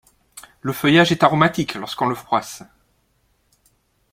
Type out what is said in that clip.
Le feuillage est aromatique lorsqu'on le froisse.